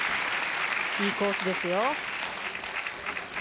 いいコースですよ。